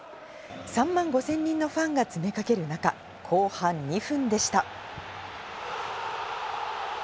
３万５０００人のファンが詰めかける中、後半２分でした。